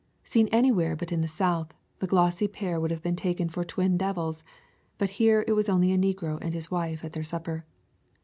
Seen anywhere but in the South, the glossy pair would have been taken for twin devils, but here it was only a negro and his wife at their supper.